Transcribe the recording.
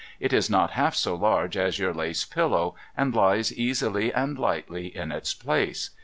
It is not half so large as your lace pillow, and lies easily and lightly in its place.